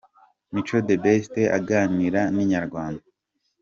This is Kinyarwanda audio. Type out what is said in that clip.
Mico The Best aganira na Inyarwanda.